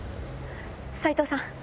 斉藤さん